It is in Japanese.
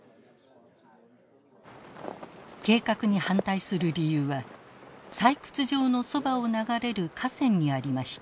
計画に反対する理由は採掘場のそばを流れる河川にありました。